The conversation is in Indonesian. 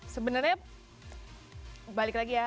sebenarnya balik lagi ya